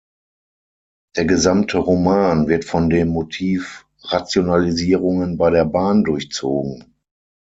Der gesamte Roman wird von dem Motiv „Rationalisierungen bei der Bahn“ durchzogen.